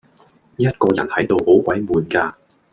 一個人喺度好鬼悶㗎